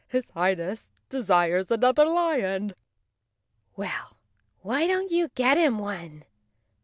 "His Highness desires another lion." "Well, why don't you get him one?